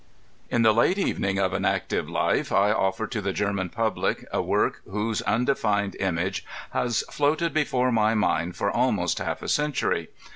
In the late eyening of an active life I ofier to the Gennaa public a work, whose undefined image has floated before my mind for almost half a century.